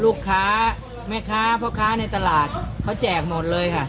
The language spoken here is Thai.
แม่ค้าแม่ค้าพ่อค้าในตลาดเขาแจกหมดเลยค่ะ